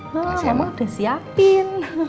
mak udah siapin